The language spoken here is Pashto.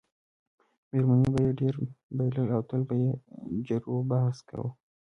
میرمنې به یې ډېری بایلل او تل به یې جروبحث کاوه.